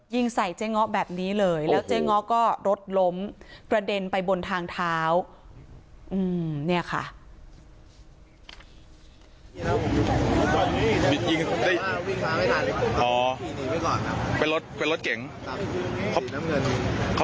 ยิงใส่เจ๊ง้อแบบนี้เลยแล้วเจ๊ง้อก็รถล้มกระเด็นไปบนทางเท้าเนี่ยค่ะ